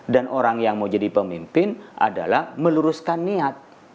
dan orang yang mau jadi pemimpin adalah meluruskan niat